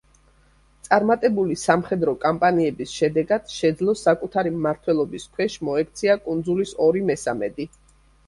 წარმატებული სამხედრო კამპანიების შედეგად შეძლო საკუთარი მმართველობის ქვეშ მოექცია კუნძულის ორი მესამედი.